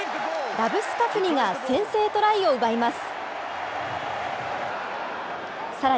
ラブスカフニが先制トライを奪います。